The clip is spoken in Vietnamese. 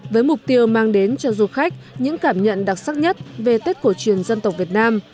với mục tiêu mang đến cho du khách những cảm nhận đặc sắc nhất về tết cổ truyền dân tộc việt nam